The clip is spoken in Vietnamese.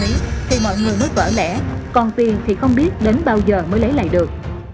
tại vì mọi người mất vỡ lẻ còn tiền thì không biết đến bao giờ mới lấy lại được